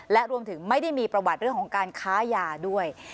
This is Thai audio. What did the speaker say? และรวมถึงไม่ได้มีประวัติเรื่องของการค้ายาด้วย